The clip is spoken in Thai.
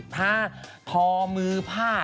ถ้าทอมือผ้า